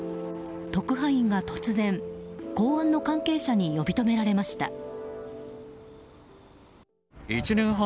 特派員が突然、公安の関係者に呼び止められました。